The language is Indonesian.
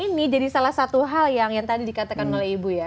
ini jadi salah satu hal yang tadi dikatakan oleh ibu ya